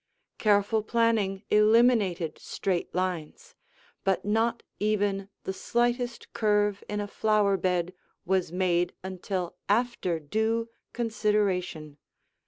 Careful planning eliminated straight lines, but not even the slightest curve in a flower bed was made until after due consideration.